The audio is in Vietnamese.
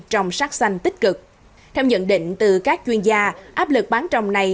trong sát sanh tích cực theo nhận định từ các chuyên gia áp lực bán rồng này